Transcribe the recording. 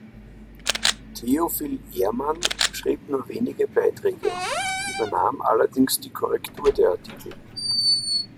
Theophil Ehrmann schrieb nur wenige Beiträge, übernahm allerdings die Korrektur der Artikel.